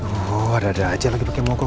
oh ada ada aja lagi pakai mogok